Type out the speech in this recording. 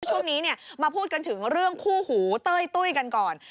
ช่วงนี้มาพูดกันถึงเรื่องคู่หูเต้ยตุ้ยกันก่อน